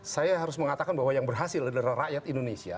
saya harus mengatakan bahwa yang berhasil adalah rakyat indonesia